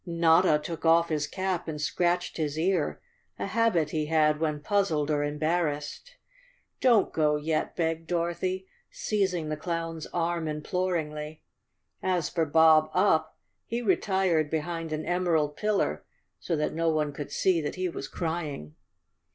Notta took off his cap and scratched his ear, a habit he had when puzzled or embarrassed. "Don't go yeti" begged Dorothy, seizing the clown's arm imploringly. As for Bob Up, he retired behind an emerald pillar so that no one could see that he was crying.